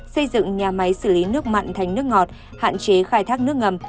xây dựng nhà máy xử lý nước mặn thành nước ngọt hạn chế khai thác nước ngầm